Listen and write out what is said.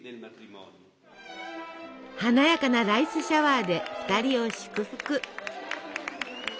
華やかなライスシャワーで２人を祝福！